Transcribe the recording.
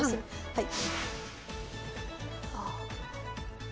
はい。